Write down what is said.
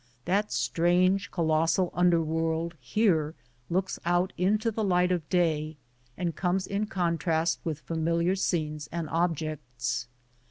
That strange colossal underworld here looks out into the light of day, and comes in contrast with familiar scenes and objects.